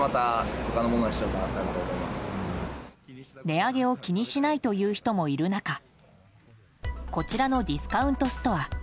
値上げを気にしないという人もいる中こちらのディスカウントストア。